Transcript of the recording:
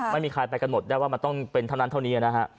ไม่มีใครไปกันหมดได้ว่ามันต้องเป็นทั้งนั้นเท่านี้